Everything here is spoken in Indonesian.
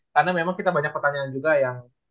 karena memang kita banyak pertanyaan juga yang